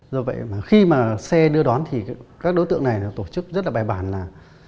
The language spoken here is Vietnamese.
do vậy mà khi mà xe đưa đón thì các đối tượng này tổ chức rất là bài bản là